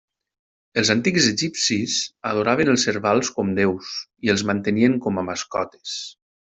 Els antics egipcis adoraven els servals com deus, i els mantenien com a mascotes.